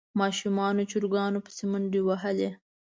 ماشومانو چرګانو پسې منډې وهلې.